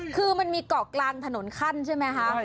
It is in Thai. คือมันมีเกาะกลางถนนขั้นใช่ไหมคะ